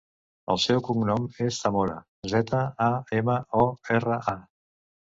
El seu cognom és Zamora: zeta, a, ema, o, erra, a.